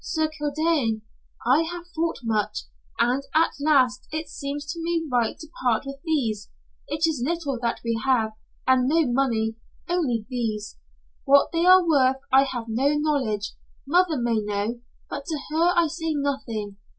"Sir Kildene, I have thought much, and at last it seems to me right to part with these. It is little that we have and no money, only these. What they are worth I have no knowledge. Mother may know, but to her I say nothing.